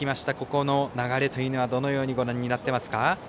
この流れというのはどのようにご覧になっていますか。